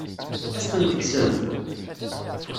Ad as-ten-tekksemt?